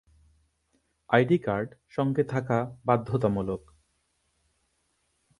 ID card সঙ্গে থাকা বাধ্যতামূলক।